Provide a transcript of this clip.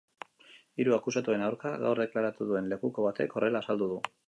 Hiru akusatuen aurka gaur deklaratu duen lekuko batek horrela azaldu du.